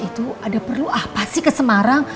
itu ada perlu apa sih ke semarang